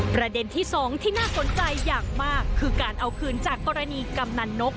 ประเด็นที่สองที่น่าสนใจอย่างมากคือการเอาคืนจากกรณีกำนันนก